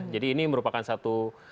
jadi ini merupakan satu